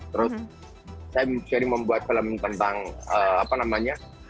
terus saya sering membuat film tentang apa namanya